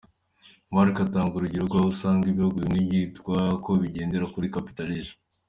Marx atanga urugero rw’aho usanga ibihugu bimwe byitwa ko bigendera kuri Capitalism .